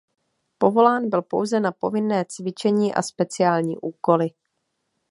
Povolán byl pouze na povinné cvičení a speciální úkoly.